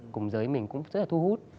cùng giới mình cũng rất là thu hút